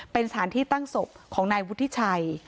เป็นสถานที่ตั้งศพของนายวุฒิชัย